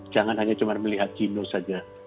jangan hanya cuma melihat jino saja